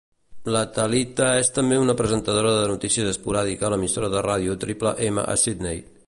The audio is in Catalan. La Talitha és també una presentadora de notícies esporàdica a l'emissora de ràdio Triple M, a Sydney.